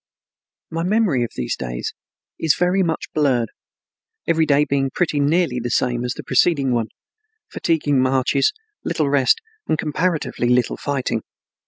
My memory of these days is very much blurred, every day being pretty nearly the same as the preceding one, fatiguing marches, little rest and comparatively little fighting.